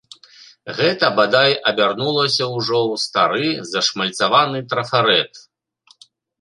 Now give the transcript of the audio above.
Гэта бадай абярнулася ўжо ў стары зашмальцаваны трафарэт.